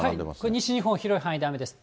西日本、広い範囲で雨です。